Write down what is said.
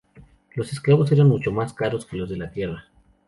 Los esclavos eran mucho más caros que los de la tierra.